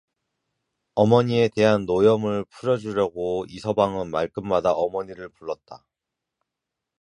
어머니에 대한 노염을 풀어 주려고 이서방은 말끝마다 어머니를 불렀다.